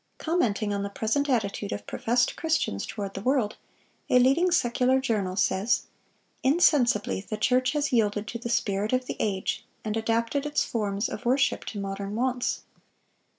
Commenting on the present attitude of professed Christians toward the world, a leading secular journal says: "Insensibly the church has yielded to the spirit of the age, and adapted its forms of worship to modern wants."